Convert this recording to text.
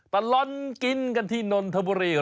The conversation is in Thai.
ตลอดกินกันที่นนทบุรี